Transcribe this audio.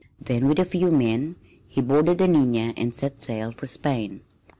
Then, with a few men, he boarded the Nina and set sail for Spain.